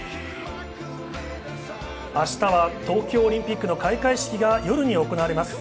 明日は東京オリンピックの開会式が夜に行われます。